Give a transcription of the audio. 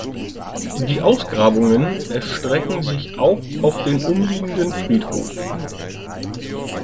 Die Ausgrabungen erstrecken sich auch auf den umliegenden Friedhof.